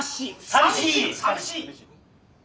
寂しい！